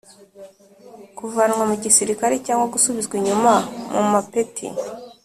Kuvanwa mu gisirikare cyangwa gusubizwa inyuma mu mapeti